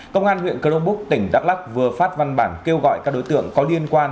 công an huyện cờ rông búc tỉnh đắk lắc vừa phát văn bản kêu gọi các đối tượng có liên quan